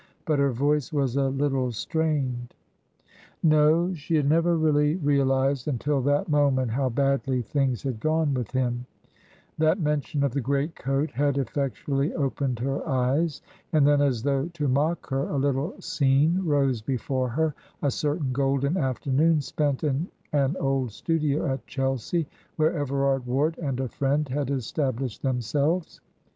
But her voice was a little strained. No, she had never really realised until that moment how badly things had gone with him; that mention of the great coat had effectually opened her eyes. And then, as though to mock her, a little scene rose before her a certain golden afternoon spent in an old studio at Chelsea, where Everard Ward and a friend had established themselves.